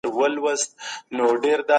په سپېڅلي موسم کې د امت احساسات راټولېږي.